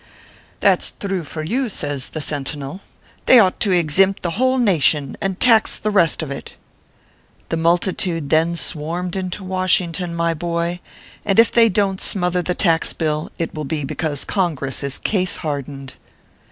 " That s thruo for you," says the sentinel :" they ought to eximpt the whole naytion and tax the rest of it," The multitude then swarmed into Washington, my bay, and if they don t smother the Tax Bill, it will be because Congress is case hardened.